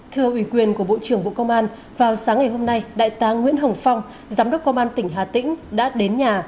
thưa ủy quyền của bộ trưởng bộ công an vào sáng ngày hôm nay đại tá nguyễn hồng phong giám đốc công an tỉnh hà tĩnh đã đến nhà